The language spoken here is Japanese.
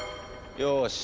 よし。